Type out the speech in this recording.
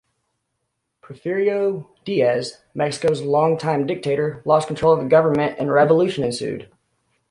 Porfirio Diaz, Mexico's longtime dictator, lost control of the government and revolution ensued.